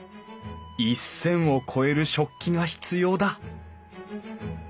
１，０００を超える食器が必要だ